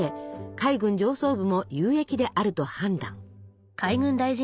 海軍上層部も有益であると判断。